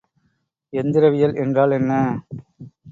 எந்திரவியல் என்றால் என்ன?